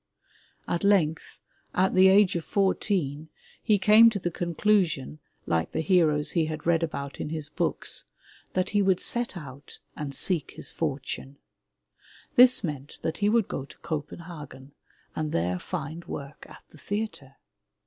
At length, at the age of fourteen, he came to the conclusion like the heroes he had read. about in his books, that he would set out and seek his fortime. This meant that he would go to Copen hagen and there find work at the theatre.